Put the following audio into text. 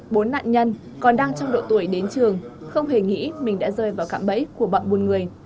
bốn nạn nhân còn đang trong độ tuổi đến trường không hề nghĩ mình đã rơi vào cạm bẫy của bọn buôn người